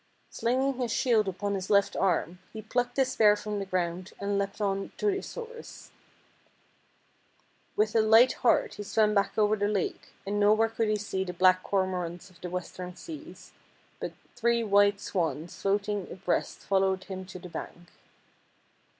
Slinging his shield upon his left arm, he plucked the spear from the ground and leaped on to his horse. With a light heart he swam back over the lake, and nowhere could he see the black Cormorants of the Western Seas, but three white swans floating abreast followed him to the bank.